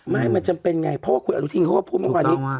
ไม่มันจำเป็นไงเพราะว่าคุณอาจารย์ทิศพูดมากนี้